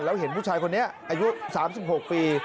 แล้วเห็นผู้ชายคนนี้อายุ๓๖ปี